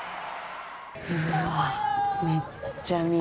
うわめっちゃ雅。